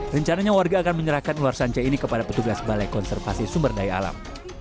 rencananya warga akan menyerahkan ular sanca ini kepada petugas balai konservasi sumber daya alam